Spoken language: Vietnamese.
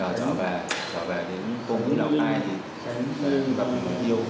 trở về thì cô mạnh lào cai thì yêu rồi